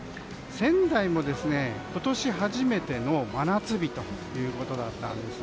仙台も今年初めての真夏日ということだったんです。